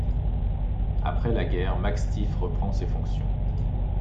Après la guerre, Max Stiff reprend ses fonctions.